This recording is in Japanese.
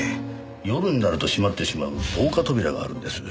夜になると閉まってしまう防火扉があるんです。